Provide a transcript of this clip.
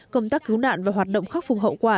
công tác cứu nạn và hoạt động khắc phục hậu quả